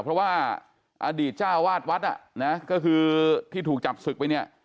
เพราะว่าอดีตเจ้าวาดวัดก็คือที่ถูกจับศึกไปเนี่ย